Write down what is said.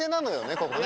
ここね。